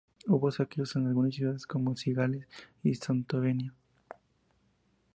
Hubo saqueos en algunas ciudades como Cigales y Santovenia.